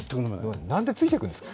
なんでついていくんですか？